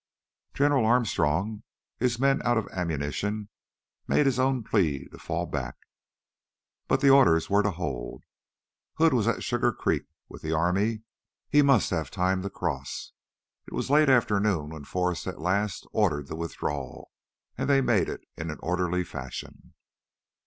General Armstrong, his men out of ammunition, made his own plea to fall back. But the orders were to hold. Hood was at Sugar Creek with the army; he must have time to cross. It was late afternoon when Forrest at last ordered the withdrawal, and they made it in an orderly fashion.